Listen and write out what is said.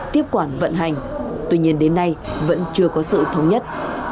tiếp quản vận hành tuy nhiên đến nay vẫn chưa có sự thống nhất